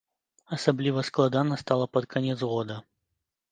Асабліва складана стала пад канец года.